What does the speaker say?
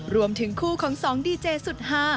รวมถึงคู่ของสองดีเจสุดฮา